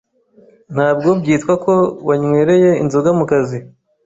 ntabwo byitwa ko wanywereye inzoga mu kazi,